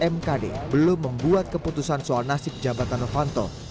mkd belum membuat keputusan soal nasib jabatan novanto